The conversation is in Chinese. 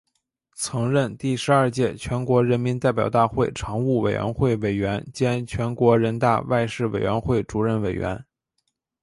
曾任第十二届全国人民代表大会常务委员会委员兼全国人大外事委员会主任委员。